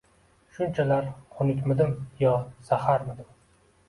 Shunchalar xunukmidim yo zaharmidim